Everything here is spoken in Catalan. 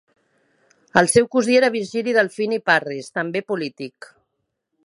El seu cosí era Virgil Delphini Parris, també polític.